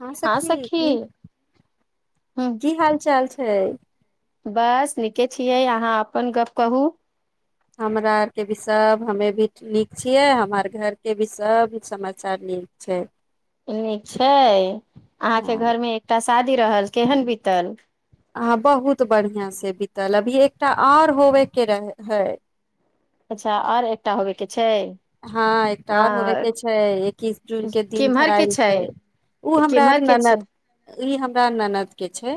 हँ सखी ककि ह की हाल चाल छै बस नीके छियै अहाँ अपन गप कहू हमरा आरके भी सभ हमे भी नीक छियै हमारर घरके भी सभ समाचार नीक छै नीक छै अहाँके हँ घरमे एकटा शादी रहल केहन बीतल अहाँ बहुत बढ़िआँ से बीतल अभी एकटा आर होबयके रहै है अच्छा आर एकटा होबेय कें हँ एकटा आओर होबय के छै एकैस जून के दिन धराय छै ओ हमरा आर केम्हर के ननद छै ई हमरा ननद के छै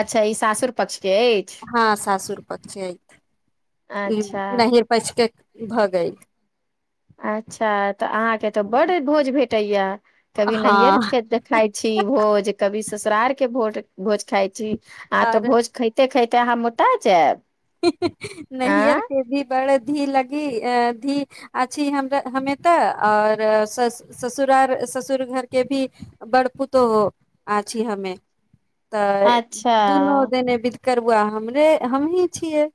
अच्छा ई सासुर पक्ष के अछि हँ सासुर पक्ष आ ई अच्छा नैहर पक्ष कें भऽ गेल अच्छा तऽ अहाँके तऽ बड भोज भेट टया कभी नैहर हँ कें खााय छी भोज कभी ससुरार के भोट भोज खााय छी आ आओर त भोज खाते खाते तऽ अहाँ ओत जायब हुँ हुँ ह नैयर आँ के भी बड़ धी लगी अं भी हमे तऽ और ससुरार ससुर घर के भी बड़ पुतोह आ छी हमे तऽ अच्छा दुनू दने भ करबुआ हमरे हमहिं छियै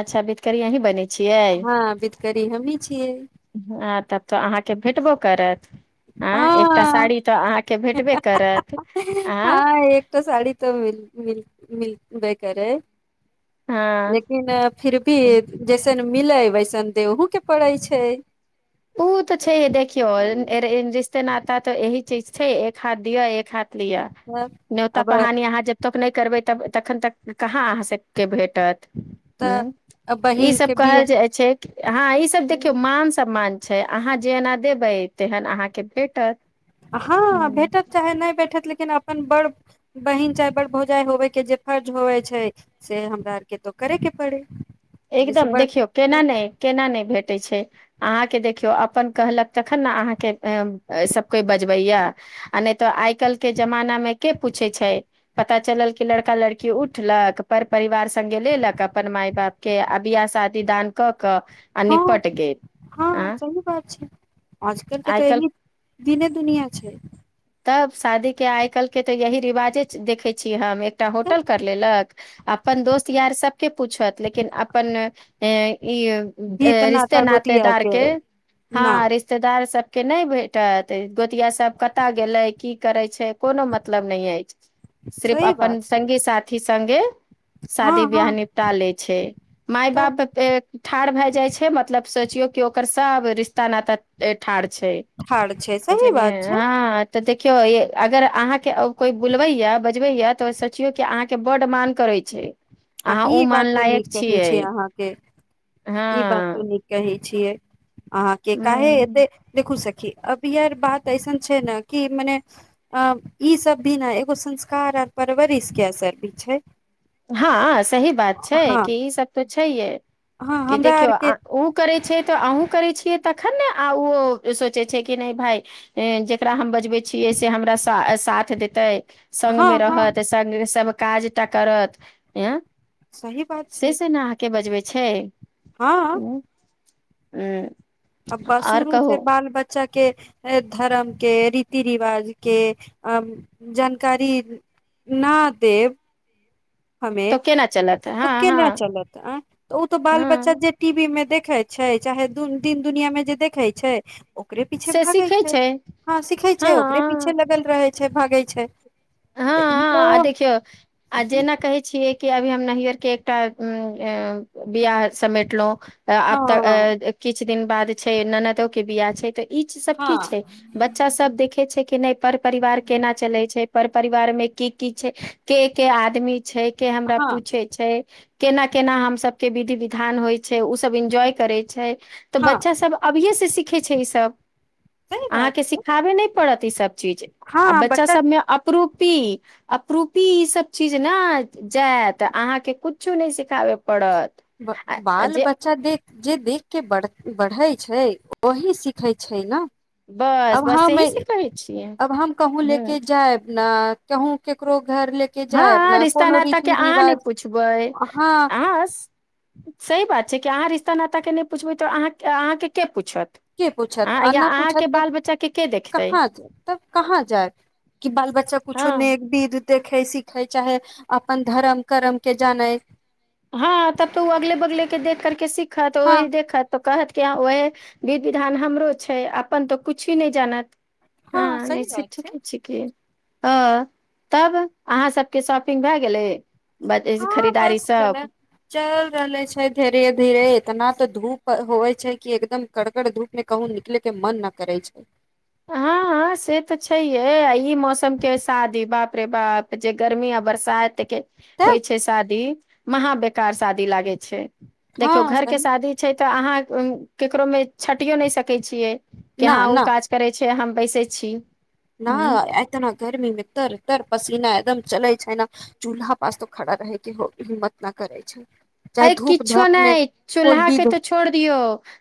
अच्छा विधकरी अही बनै छियै हँ बिधकरी हमही छियै ह तब तऽ अहाँके भेटबो करत आँ एकटा सााड़ी तऽ आँ हँ ह ह हाँ एक त साड़ी तऽ म मिल मिलब करे हँ लेकिन फिर भी जैसे जैसन मिले वैसन देहु के पड़ै छै ओ तऽ छै देखियौ अ, रिश्ते नाते तऽ ट यही चीज छै एक हाथ दियअ एक हाथ लियअ तब न्यौता अब पहानी यहाँ जब तक नहि करबै तब तखन तक कहाँ अहाँ सबके भेटत ह तऽ ई बहिन सब के बियाह कहल जाइ छै हँ ई सब देखियौ मान सब मान छै अहाँ जे एना देबै तेहन अहाँके भेटत हँ हूँ भेटत चाहे नहि भेठत लेकिन लेकिन अपन बड़ बहिन चाहे बड़ भौजाइ होबे के जे फर्ज होवे छै से हमरा आर के तो करे के पड़ी एकदम देखियौ केना नहि केना नहि भेटैत छै अहाँके देखियौ अपन कहलक तखन ने अहाँके सभ कोइ बजबैया आ नहि तऽ आइ कल्हि के जमाना मे के पूछैत छै पता चलल कि लड़का लड़की उठलक पर परिवार सङ्गे लेलक अपन माय बाप के अबियाह शादी दान क हँ हँ आँ सही बात छै आजकल के आइ तऽ काल्हि एह दिनेे दुनिया छै तब शादी के आइ कल् के तऽ यही रिवाजे देखे छीियै हम एकटा तऽ होटल कर लेलक अपन दोस्त यार सब के पूछत लेकिन अपन अ ई ई तऽ रिश्ते नाता गोतिया नातेदार के न हँ रिश्तेदार सब के नहि भेटत गोतिया सब क कतह गेलै की करै छै कोनो मतलब नहि अछि सिर्फ सही बात अपन छै सङ्गी साथी सङ्गे हँ शादी बियाह हँ निपटा ले छै मााय तऽ बाप ठाढ़ भए जा जा छै मतलब सोचियो कि ओकर सब रिश्ता नाता ठाढ़ छै ठार छै सही बात छै हाँ तऽ देखियौ अगर अहाँके कोइ बुलबैया बजबै या तऽ सोचियो कि अहाँके बड्ड मान करे छै हँ अहाँ ओ ई मान बात तो लायक नीक कहै छै छियै अहाँ के ई बात तो हँ नीक कही छै छियै अहाँ कें काहे ह एतेक देखु सखी अभी आर बात अऐसन छै ने कि मने अ ई सब भी ने एगो संस्कार आर परवरिश के असर भी छै हँ सही बात छै हँ कि ई सब तो छैे हँ कि हमरा देखियौ आरके ओ करे छै तऽ अहुूँ करै छियै तखन ने आ ओ सोचै छै कि नहि भाय जेकरा हम बजबै छियै से हमरा सा साथ देतै हँ सगमे हँ रहत संग स काजटा करत आँ सही बात छै से से ने अहाँके बजबै छै छै हँ हुँ अब सुरु से बाल बच्चा के के धर्म के रीति रिवाज के अ जानकारी न देब हमे तो केना चलत त हँ केना हँ चलत अ ओ तऽ बाल बच्चा हँ जे टीवी मे देख देखै छै चाहे दू तीन दुनिया मे जे देखै छै ओकरे पीछे से भागे सीखै छै हँ सिखे छै ओकरे हँ पीछे लगल रहे छै छै भागै छै हँ तऽ ई हँ तो आ देखिय आ जे न कहै छिय कि अभी हम नैहर के एकटा बिियाह समेटलहुँ आब त हँ किछु किछु दिन बाद छै ननदो के बिआाह छै त ई सब हँ की छै बच्चा सब देखे छै कि नहि पर परिवार केना चले छै पर परिवार मे की की छै के के आदमी छै के हमरा हँ पूछे छै केना केना हम सब के विधि विधान होय छै उ सब एन्जॉय करे छै तऽ हँ बच्चा सब अबिय से सीखै छै ई सब सही बात अहाँके छै सिखाबे नहि पड़त ई सब चीज आ बच्चा सभमे आपरूपी आपरूपी ई सब चीज नहि जायत अहाँकें कुछु न सिखाबे बाल बच्चा देख जे देख के बढ़ै छै वही सिखैत छै ने बस अब बस हम यही से कहै छियै अब हम कहुँ ह लेके जायब न कहहूँ केकरो घर लेके जायब हँ ने रिश्ता कोनो न त के रीति अहाँ ने रिवाज पुछबै हँ आ सही बात छै कि अहाँ रिश्ता नाताके नहि पुछबै तऽ अहाँ अहाँके के पूछत के पूछत अहाँ आ या नहि पूछत अहाँके तब बाल बच्चा के के देखतै कहाँ जा तब कहाँ जायत कि बाल बच्चा कुछो हँ ने बिध देखै सिखै चाहे अपन धर्म करम के जानै हँ तब तो ओ अगले बगले के देख करके सीखत हँ ओही देखत तो कहत क्य ओहे विध विधान हमरो छै अपन तऽ कुछी नहि जानत हँ सही नस बात छै छिक छिक ह तब अहाँ सबके शॉपिंग भए गेलै बजारे से हँ खरीदारी बस चले सब चल रहले छै धीरे धीरे इतना तऽ धूप होइ छै कि एकदम कड़गड़ धूप मे कहुूँ निकले के मन न करै छै हँ हँ से तऽ छैहे आ ई मौसमके शादी बाप रे बाप जे गर्मी आ बरसाातके होइ तऽ छै शादी महा बेकार शादी लागे छै देखियौ हँ घरके सही शादी छै तऽ अहाँ केकरोमे छटियो नहि सकै छियै के न अहाँ उ न काज करै छै हम बैसै छी न हूँ एत ने गर्मीमे तर तर पसीना एकदम चले छै चूल्हा पास त खड़ा रहके हो हिम्मत न करै छै चाहे अ धूप किछो धाप मे नहि कोइ चूल्हा के विध तो छोड़ दियो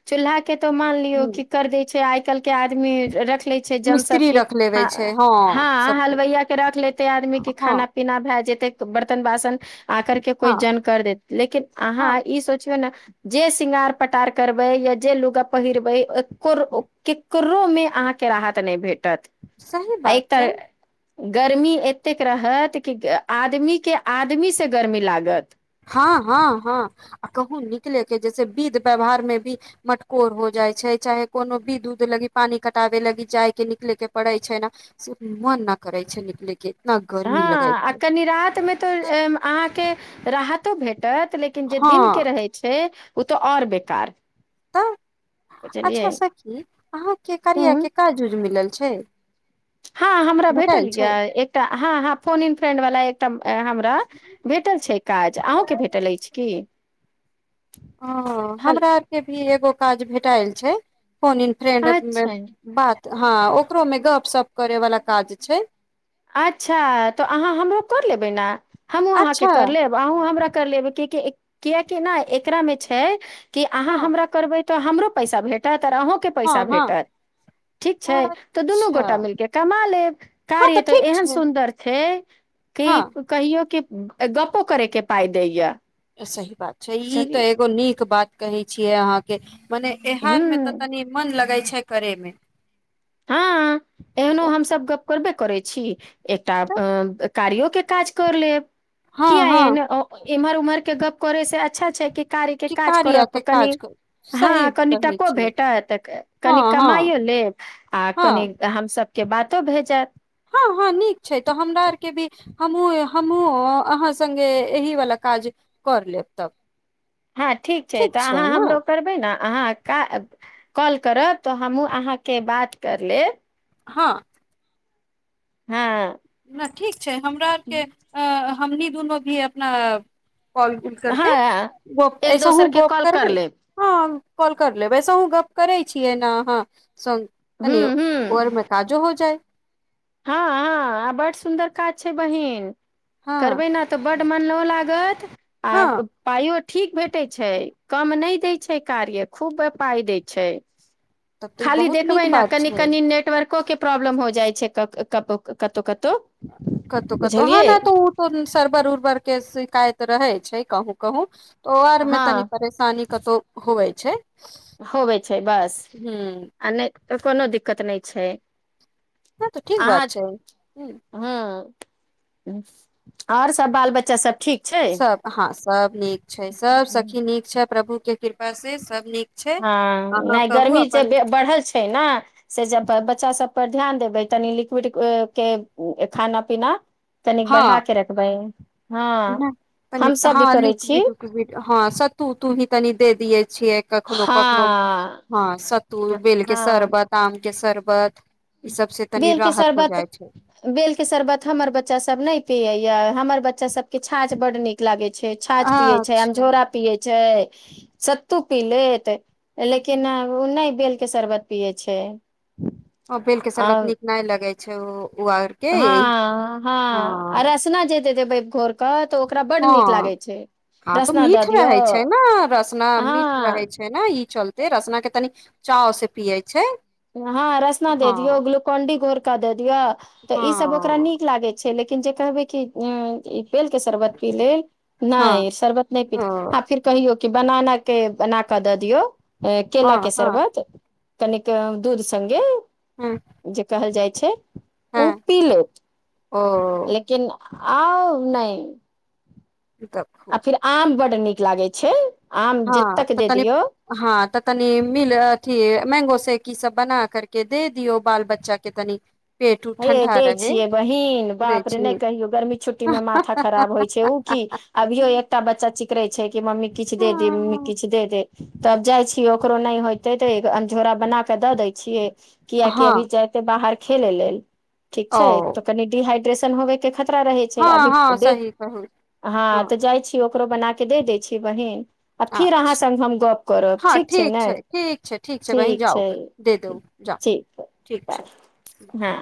चूल्हा के तो मान लियो की ह कर दै छै आइ कल के आदमी रख ले छै जन मिस्त्री सबके रख लेबे छै हँ सबके हलवइय के रख लेते आदमी के खाना हँ पीना भए जेते बर्तन बासन आ करके कोइ हँ जन कर दे लेकिन अहाँ हँ ई सोच ने जे शृंगार पटार करबे या जे लुगा पहिरबे केकरो में अहाँ के राहत नहि भेटत सही आ बात छै तर गर्मी एतेक रहत कि आदमीके आदमी से गर्मी लागत हँ हँ हँ आ कहू निकलेके जैसे विध व्यवहारमे भी मटकोर हो जाइ छै चाहे कोनो बिध उध लगी पानि कटाबे लागी जायके निकले के पड़ैत छै ने से मन न करै छै निकलेके हँ आ कनि रतिमे तऽ अहाँके राहत त भेट भएटत लेकिन जे दिन के हँ रहै छै ओ तऽ आऔर बेकार तऽ बुझलियै अच्छा सखी अहाँके कर्या ह के काज जूज मिलल छै हँ हमरा भेटल यए एकटा हँ हँ फोन इन फ्रेंडवला एकटा हमरा भेटल छै काज अहूँकेँ भेटल अछि की हँ हल हमरा आरके भी ओ काज भेटाल छै फोनन फ्रेंड अच्छा बात हँ ओकरोमे गपशप करै वला काज छै अच्छा तऽ अहाँ हमरो कर लेबै ने हमहूँ अहाँके अच्छा कर लेब अहूँ हमरा कर लेबै क कियकि ने एकरा मे छै की अहाँ हँ हमरा करबै तऽ हमरो पैसा भेटत अहुँ के हँ पैसा हँ भेटत ठीक छै तऽ दुनू अच्छा गोटा मिलके कमा लेब हँ तऽ कार्य ठीक केहएन छै सुन्दर छैे कि हँ कहियो के गपो करे के पााय दैया सही बात छै ई चलिय तऽ एगो नीक बात कहै छियै अहाँके मने एहार में ते हूँ तनी मन लगे छै करेमे हँ एहनो हमसभ गप करबे करै छी एकटा अ कारियो के काज कर लेब हँ किया हँ एहने एम्हर उमर के गप करे से अच्छा छै कि कार्या के कि काज कार्या करब के काज कनि करू सही हँ कनि कहै टको छियै भेटत कनि हँ हँ कमाइयो लेब आ कनि हँ हमसब सबके बातो भेए जायत हँ हँ नीक छै तऽ हमरा आरके भी हमूँ हमहुूँ अहाँ संगे एहि वला काज कर लेब तब हँ ठीक छै तऽ अहाँ हमरो करबै ने अहाँ कॉल करब तऽ हमहूँ अहाँके बात कर लेब हाँ हँ ठीक हमरा आरके हमनी दुनू भी अपना कॉल गूल करके हँ गप एक ऐसा ह दोसर के गप कॉल कर करबै लेब हँ कॉल कर लेब वैसेहुँ गप्प करै छियै ने अहाँ सङ्ग हू कनि हू घर मे काजो हो जाइत हँ हँ आ बड सुन्दर काज छै बहिन हँ करबै न तऽ बड त मन न लागत हँ आब पइओ ठीक भेटै छै कम नहि दै छै कार्य खूब पाइ दै छै तब तऽ ई खाली बहुत नीक देखबै ने बात कनि छै कनि नेटवर्क के प्रॉब्लम हो जाइ छै कब क त कतो कतहु कतहु हँ न तऽ ओ तो सरबर उरबर के शिकायत रहै छै कहू कहूँ त ओ आर में हँ तनी परेशानी कतौ हवे छै होब छै बस ह आ तऽ कोनो दिक्कत नहि छै हँ तऽ ठीक अहाँ बात छै ह हूँ आओर सब बाल बच्चा सब ठीक छै सब हँ सब नीक छै सब सखी नीक छै प्रभु के कृपा से सब नीक छै हँ अहाँ नहि कहू गर्मी जे अपन बढ़ल छै ने से ज बच्चा सभ पर ध्यान देबै तनी लिक्विड के खाना पीना तनिक बढ़ााक रखबै हँ नहि तनी हमसभ भी हँ करै छी लिक्विड उकविड हँ स तू तू ही तनी दे दिय छियै कखनो कखनो हँ हँ सत्तू बेलके हँ शर्बत आम कें सरबत बेल शरबत बेलके शरबत हमर बच्चासभ नहि पियैए हमर बच्चा सब के छाछ बड नीक लागे छै छ छाछ पिये छै अच्छा अमझोरा पिये छै सत्तू पी लेत लेकिन ओ नहि बेलके शरबत पियै छै ओ बेल आ सर्वत नीक नहि लगे छै छउ हँ हँ अ रसना जे देदै बैय घोरका हँ हँ तो रसना दऽ मीठ दियौ रहे छै ने रसना मीठ हँ रहै छै ने ई चलते रसना के तनि चाव से पियै छै हँ रसना द दियऔ हँ ग्लुकोन डी घोरका द दियौ तऽ ईसभ ओकरा हँ नीक लागैत छै लेकिन जे कहबे क अ ई पेल के शर्बत पी लेल हँ नहि सर्वत नहि प ओ हा फिर कहि य कि बनाना के बना कऽ दऽ दियौ अ केल हँ के हँ शरबत तनि दूरसङ्गे ह जे कह जाइत छै हँ ी लोक ओ लेकिन आ नहि आ देखू फिर आम बड़ नीक लागै छै आम हँ जतेक त दे तनी दियौ हँ तऽ तनी मीिलथी मैंगो से ईी सब बना करके दे दियौ बाल बच्चा के तनि पेट उट हे ठंडा दै रहे छियै बहिीन दै बाप रे छी नहि कहियो गर्मी छुट्टी में माथा खराब होइ छै ओ की अभियो एकटा बच्चा चिक रहै छै कि मम्मी किु दे दे मम्मी हँ किछ दे दे तब जाइ छीियै ओकरो नहि होते तऽ अंझोरा बना क दऽ दै छियै किया हँ क अभी जायते बाहर खेलै लेल ठीक छै तऽ ओ कनिडिहाइड न होे के खतिर रहै छै हँ अभी हँ सही कहू हँ तऽ जाइ छी ओकरो बना के दे दै छीै बहिन आ फेर अहाँ अच्छा सङ्ग हम गप करब हँ ठीक छै ने ठीक छै बहिन ठीक जाउ छै दे ठीक दू जाउ छै ठीक ब छै हँ